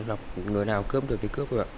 gặp người nào cướp được thì cướp được ạ